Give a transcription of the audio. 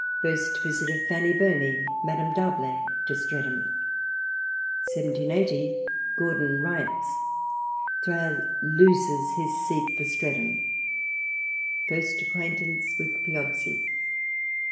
First visit of Fanny Burney (Madam d'Arblay) to Streatham. 1780. Gordon riots. Thrale loses his seat for Streatham. First acquaintance with Piozzi.